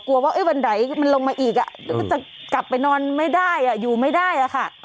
กลัวว่าวันไหนมันลงมาอีกอะกลับไปนอนไม่ได้อะอยู่ไม่ได้อะค่ะ